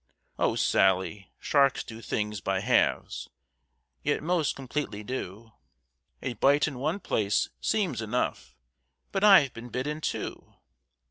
"Oh! Sally, sharks do things by halves, Yet most completely do! A bite in one place soems enough, But I've been bit in two.